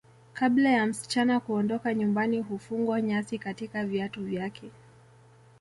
Kabla ya msichana kuondoka nyumbani hufungwa nyasi katika viatu vyake